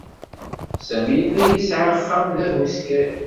Sami yella yesɛa axxam d ahuskay.